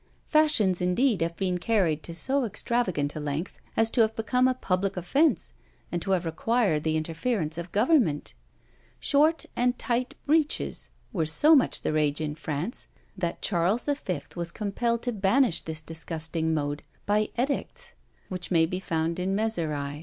Fashions indeed have been carried to so extravagant a length, as to have become a public offence, and to have required the interference of government. Short and tight breeches were so much the rage in France, that Charles V. was compelled to banish this disgusting mode by edicts, which may be found in Mezerai.